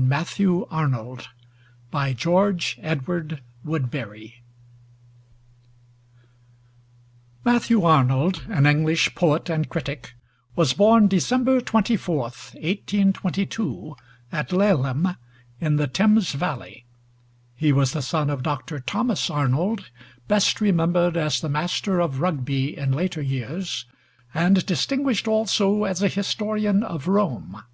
MATTHEW ARNOLD (1822 1888) BY GEORGE EDWARD WOODBERRY Matthew Arnold, an English poet and critic, was born December 24th, 1822, at Laleham, in the Thames valley. He was the son of Dr. Thomas Arnold, best remembered as the master of Rugby in later years, and distinguished also as a historian of Rome.